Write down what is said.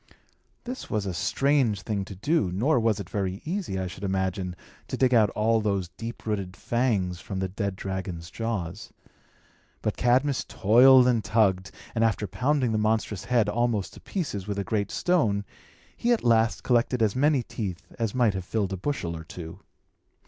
This was a strange thing to do; nor was it very easy, I should imagine, to dig out all those deep rooted fangs from the dead dragon's jaws. But Cadmus toiled and tugged, and after pounding the monstrous head almost to pieces with a great stone, he at last collected as many teeth as might have filled a bushel or two.